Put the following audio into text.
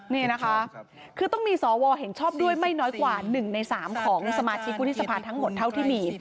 นี่นะคะคือต้องมีสวเห็นชอบด้วยไม่น้อยกว่า๑ใน๓ของสมาชิกวุฒิสภาทั้งหมดเท่าที่มี